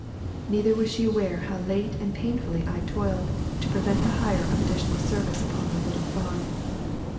Neither was she aware how late and painfully I toiled to prevent the hire of additional service upon our little farm.